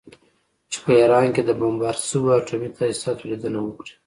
چې په ایران کې د بمبارد شویو اټومي تاسیساتو لیدنه وکړي